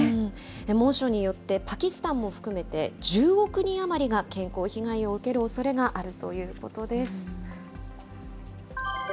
猛暑によって、パキスタンも含めて１０億人余りが健康被害を受けるおそれがあるということです。